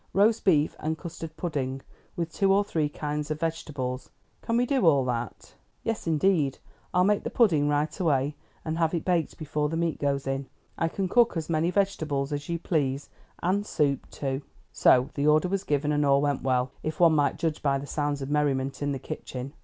"Roast beef, and custard pudding, with two or three kinds of vegetables. Can we do all that?" "Yes, indeed. I'll make the pudding right away, and have it baked before the meat goes in. I can cook as many vegetables as you please, and soup too." So the order was given and all went well, if one might judge by the sounds of merriment in the kitchen.